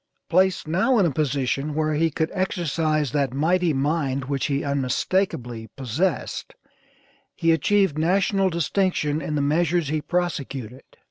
Placed now in a position where he could exercise that mighty mind which he unmistakably possessed, he achieved National distinction in the measures he prosecuted.